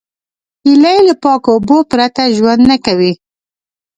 هیلۍ له پاکو اوبو پرته ژوند نه کوي